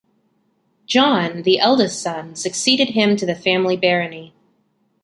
John, the eldest son succeeded him to the family barony.